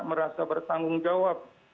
merasa bertanggung jawab